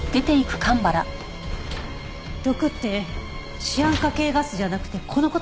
毒ってシアン化系ガスじゃなくてこの事だったんですか？